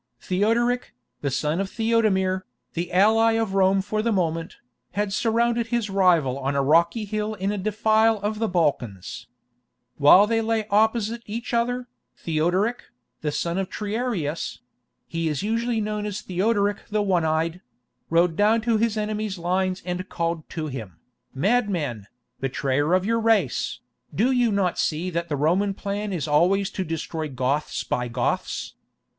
Theodoric, the son of Theodemir, the ally of Rome for the moment, had surrounded his rival on a rocky hill in a defile of the Balkans. While they lay opposite each other, Theodoric, the son of Triarius [he is usually known as Theodoric the One Eyed], rode down to his enemy's lines and called to him, "Madman, betrayer of your race, do you not see that the Roman plan is always to destroy Goths by Goths?